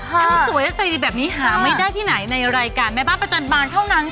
ทั้งสวยและใจดีแบบนี้หาไม่ได้ที่ไหนในรายการแม่บ้านประจำบานเท่านั้นค่ะ